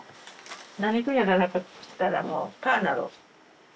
何かやらなかったらもうパーなる。